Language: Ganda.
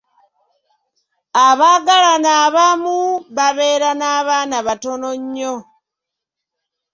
Abaagalana abamu babeera n'abaana batono nnyo.